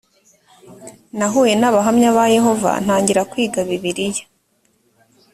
nahuye n abahamya ba yehova ntangira kwiga bibiliya